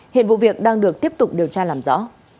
hiện vụ việc đang được tiếp tục điều tra làm rõ